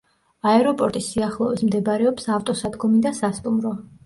აეროპორტის სიახლოვეს მდებარეობს ავტოსადგომი და სასტუმრო.